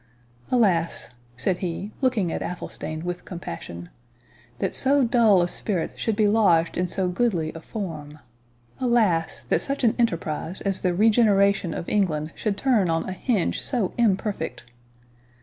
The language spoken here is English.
—Alas!" said he, looking at Athelstane with compassion, "that so dull a spirit should be lodged in so goodly a form! Alas! that such an enterprise as the regeneration of England should turn on a hinge so imperfect!